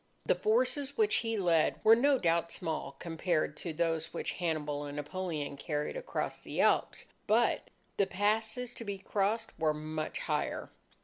The forces which he led were no doubt small compared ... to those which Hannibal and Napoleon carried across the Alps. But ... the passes to be crossed were much higher."